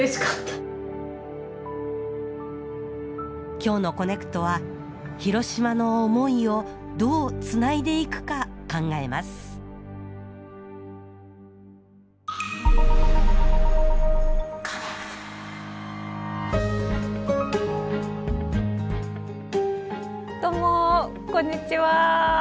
今日の「コネクト」はヒロシマの思いをどうつないでいくか考えますどうもこんにちは。